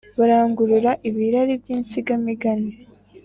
barangurura ibirari by’insigamigani